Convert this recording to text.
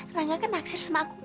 rangga kan aksir sama aku